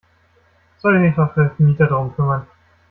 Soll sich doch der Vermieter darum kümmern!